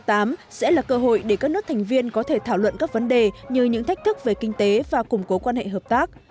sẽ là cơ hội để các nước thành viên có thể thảo luận các vấn đề như những thách thức về kinh tế và củng cố quan hệ hợp tác